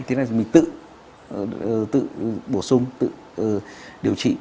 thế này mình tự bổ sung tự điều trị